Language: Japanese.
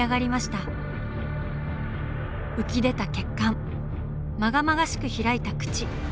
浮き出た血管まがまがしく開いた口。